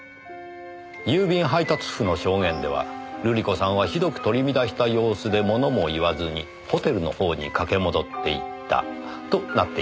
郵便配達夫の証言では瑠璃子さんはひどく取り乱した様子でものも言わずにホテルの方に駆け戻って行ったとなっています。